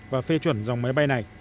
và phê chuẩn dòng máy bay này